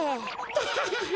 タハハハ。